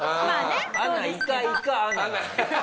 アナいかいかアナ。